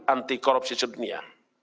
anti korupsi sedunia